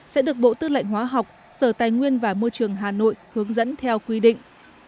sẽ được bộ tư lệnh hóa học sở tài nguyên và môi trường hà nội hướng dẫn theo quy định